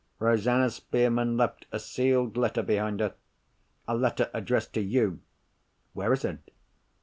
Rosanna Spearman left a sealed letter behind her—a letter addressed to you." "Where is it?"